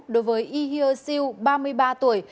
đối với y hiêu siêu ba mươi ba tuổi